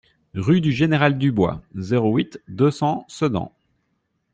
Rue du Général Dubois, zéro huit, deux cents Sedan